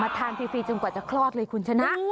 มาทานฟรีจนกว่าจะคลอดเลยคุณฉะนั้น